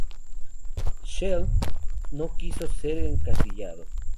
Schell no quiso ser encasillado.